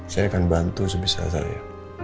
saya akan bantu sebisa bisa ya